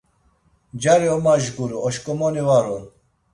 Cari omajguru, oşǩomoni var on.